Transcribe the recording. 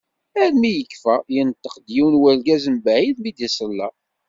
Armi yekfa, yenṭeq-d yiwen n urgaz mbeɛid mi d-iṣella.